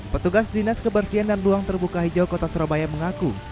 petugas dinas kebersihan dan ruang terbuka hijau kota surabaya mengaku